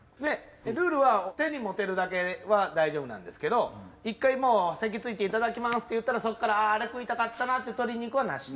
ルールは手に持てるだけは大丈夫なんですけど１回もう席着いていただきますって言ったらそこからあれ食いたかったなって取りに行くのはなし。